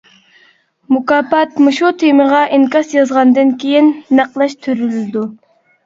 مۇكاپات مۇشۇ تېمىغا ئىنكاس يازغاندىن كېيىن نەقلەشتۈرۈلىدۇ.